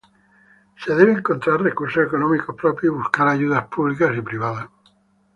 Se debe encontrar recursos económicos propios y buscar ayudas públicas y privadas.